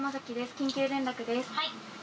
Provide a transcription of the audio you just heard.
緊急連絡です。